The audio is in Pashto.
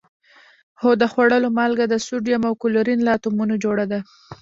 هو د خوړلو مالګه د سوډیم او کلورین له اتومونو جوړه ده